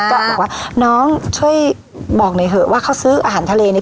ก็บอกว่าน้องช่วยบอกหน่อยเถอะว่าเขาซื้ออาหารทะเลเนี่ย